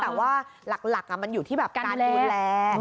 แต่ว่าหลักมันอยู่ที่แบบการดูแล